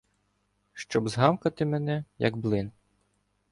Щоб згамкати мене, як блин.